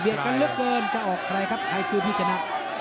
กันเหลือเกินจะออกใครครับใครคือผู้ชนะ